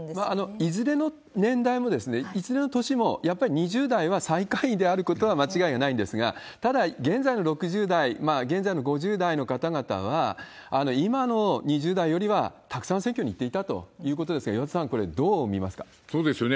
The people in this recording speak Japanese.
いずれの年代もいずれの年も、やっぱり２０代は最下位であることは間違いはないんですが、ただ、現在の６０代、現在の５０代の方々は、今の２０代よりはたくさん選挙に行っていたということですから、そうですよね。